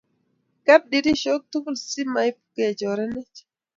Ker dirishok tugul si mapkechorenech